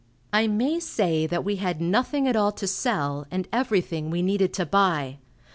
I may say that we had nothing at all to sell, and everything we needed to buy.